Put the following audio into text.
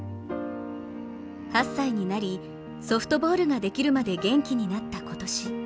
８歳になり、ソフトボールができるまで元気になった今年。